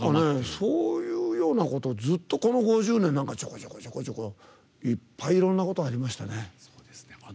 そういうようなことずっとこの５０年、ちょこちょこいっぱい、いろんなことありましたね。